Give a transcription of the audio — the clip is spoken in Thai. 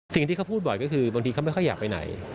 สิ่งที่เขาพูดบ่อยก็คือบางทีเขาไม่ค่อยอยากไปไหน